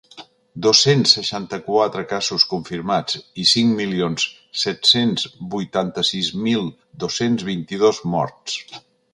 Dos-cents seixanta-quatre casos confirmats i cinc milions set-cents vuitanta-sis mil dos-cents vint-i-dos morts.